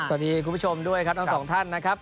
คุณผู้ชมด้วยครับทั้งสองท่านนะครับ